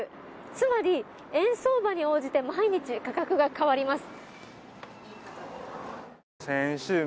つまり、円相場に応じて毎日価格が変わります。